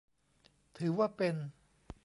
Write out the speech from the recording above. ถือว่าเป็น